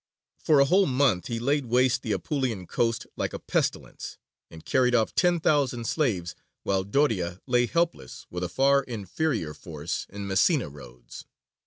For a whole month he laid waste the Apulian coast like a pestilence, and carried off ten thousand slaves, while Doria lay helpless with a far inferior force in Messina roads.